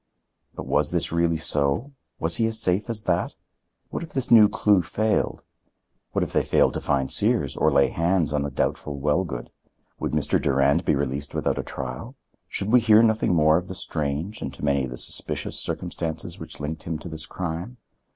But was this really so? Was he as safe as that? What if this new clue failed? What if they failed to find Sears or lay hands on the doubtful Wellgood? Would Mr. Durand be released without a trial? Should we hear nothing more of the strange and to many the suspicious circumstances which linked him to this crime?